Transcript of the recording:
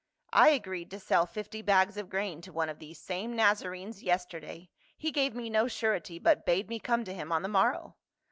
" I agreed to sell fifty bags of grain to one of these same Nazarenes yesterday ; he gave me no surety but bade me come to him on the morrow."